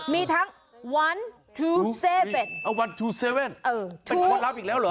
มีทั้ง๑๒๗๑๒๗๑๒๗๑๒๗เป็นคดลับอีกแล้วเหรอ